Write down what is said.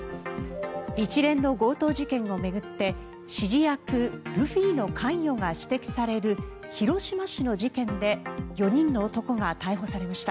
一連の強盗事件を巡って指示役・ルフィの関与が指摘される広島市の事件で４人の男が逮捕されました。